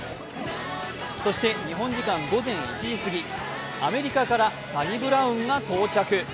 そして日本時間午前１時過ぎ、アメリカからサニブラウンが到着。